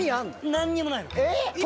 何にもないの。